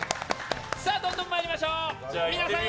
どんどん参りましょう。